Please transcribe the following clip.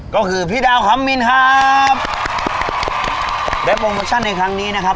ก็คือพี่ดาวคำมินครับและโปรโมชั่นในครั้งนี้นะครับ